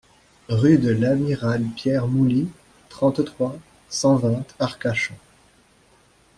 Rue de l'Amiral Pierre Mouly, trente-trois, cent vingt Arcachon